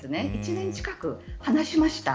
１年近く離しました。